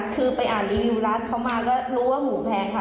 คือไปอ่านรีวิวรัฐเขามาก็รู้ว่าหมูแพงค่ะ